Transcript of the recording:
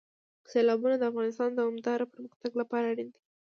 سیلابونه د افغانستان د دوامداره پرمختګ لپاره اړین دي.